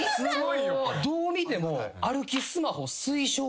どう見ても。